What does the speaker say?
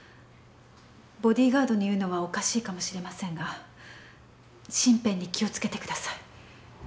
ボディーガードに言うのはおかしいかもしれませんが身辺に気をつけてください。